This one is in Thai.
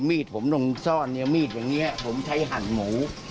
มีดผมต้องซ่อนอย่างนี้ผมใช้หั่นหมู